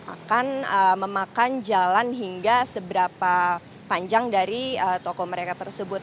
akan memakan jalan hingga seberapa panjang dari toko mereka tersebut